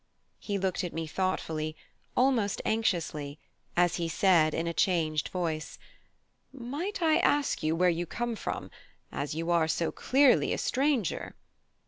He looked at me thoughtfully, almost anxiously, as he said in a changed voice, "Might I ask you where you come from, as you are so clearly a stranger?"